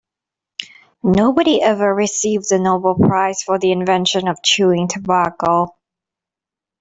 Nobody ever received the Nobel prize for the invention of chewing tobacco.